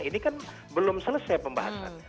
ini kan belum selesai pembahasannya